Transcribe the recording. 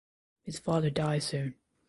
His father dies soon.